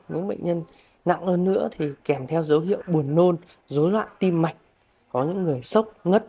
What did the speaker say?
những bệnh nhân nặng hơn nữa thì kèm theo dấu hiệu buồn nôn dối loạn tim mạch có những người sốc ngất